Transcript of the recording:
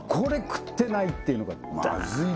食ってないっていうのがダーっ